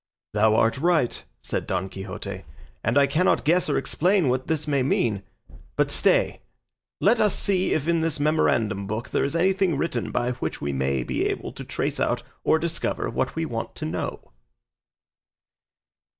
"Thou art right," said Don Quixote, "and I cannot guess or explain what this may mean; but stay; let us see if in this memorandum book there is anything written by which we may be able to trace out or discover what we want to know."